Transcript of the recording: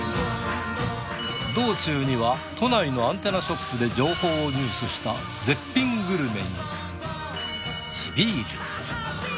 道中には都内のアンテナショップで情報を入手した絶品グルメに地ビール。